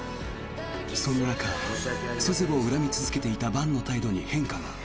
そんな中、鈴を恨み続けていた伴の態度に変化が。